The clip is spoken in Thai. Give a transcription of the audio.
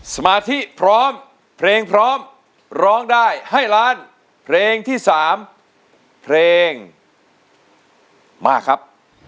สมาธิพร้อมเพลงพร้อมร้องได้ให้ล้านเพลงที่๓เพลงมาครับ